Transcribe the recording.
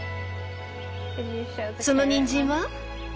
そのにんじんは？